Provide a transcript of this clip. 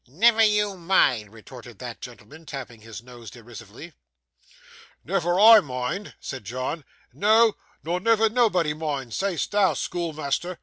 'Never you mind,' retorted that gentleman, tapping his nose derisively. 'Never I mind!' said John, 'no, nor never nobody mind, say'st thou, schoolmeasther.